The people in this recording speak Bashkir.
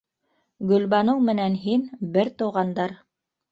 Гөлбаныу менән һин... бер туғандар!